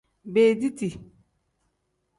Beediti.